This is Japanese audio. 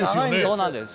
そうなんです。